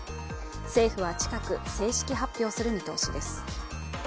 政府は近く正式発表する見通しです。